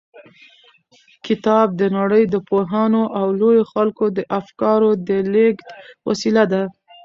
کتاب د نړۍ د پوهانو او لويو خلکو د افکارو د لېږد وسیله ده.